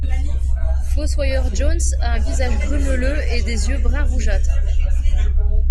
Fossoyeur Jones a un visage grumeleux et des yeux brun rougeâtre.